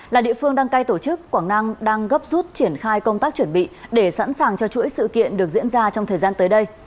là địa phương đăng cai tổ chức quảng nam đang gấp rút triển khai công tác chuẩn bị để sẵn sàng cho chuỗi sự kiện được diễn ra trong thời gian tới đây